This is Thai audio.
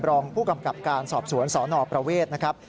รองผู้กำกับการสอบสวนสนประเวทนะครับ